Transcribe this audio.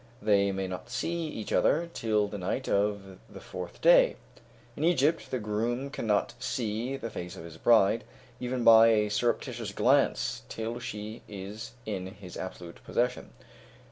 They may not see each other till the night of the fourth day. In Egypt, the groom cannot see the face of his bride, even by a surreptitious glance, till she is in his absolute possession.